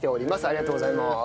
ありがとうございます。